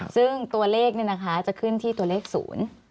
ซึ่งตัวเลขเนี่ยนะคะจะขึ้นที่ตัวเลขศูนย์